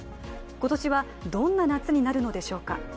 今年はどんな夏になるのでしょうか。